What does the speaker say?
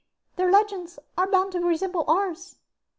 Their legends are bound to resemble ours."